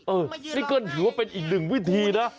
เออนี่ก็ถือว่าเป็นอีกหนึ่งวิธีนะ